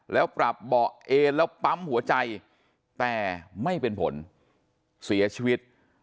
แล้วปรับเบาะเอนแล้วปั๊มหัวใจแต่ไม่เป็นผลเสียชีวิต